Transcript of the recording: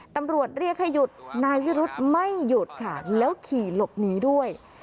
ตำรวจเรียกให้หยุดนายวิรุธไม่หยุดค่ะแล้วขี่หลบหนีด้วย